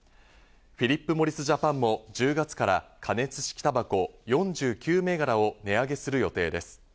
フィリップモリスジャパンも１０月から加熱式たばこ４９銘柄を値上げする予定です。